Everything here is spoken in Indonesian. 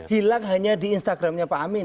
hilang hanya di instagramnya pak amin